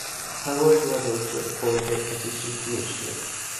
Howard was also appointed Assistant Commissioner.